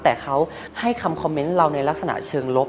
แต่เขาให้คำคอมเมนต์เราในลักษณะเชิงลบ